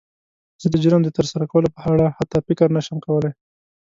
زه د جرم د تر سره کولو په اړه حتی فکر نه شم کولی.